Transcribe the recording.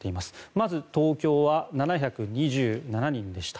まず、東京は７２７人でした。